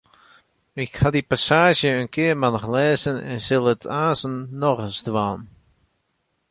Ik haw dy passaazje in kearmannich lêzen en sil it aanstens noch ris dwaan.